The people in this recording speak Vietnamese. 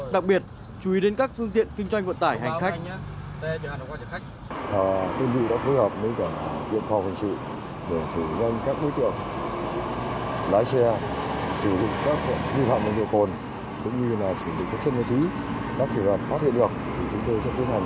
đặc biệt chú ý đến các phương tiện kinh doanh vận tải hành khách